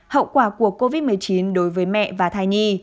hậu quả của covid một mươi chín đối với mẹ và thai nhi